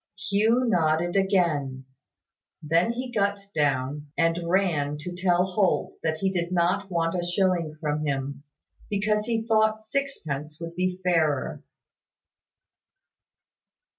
Hugh nodded again. Then he got down, and ran to tell Holt that he did not want a shilling from him, because he thought sixpence would be fairer.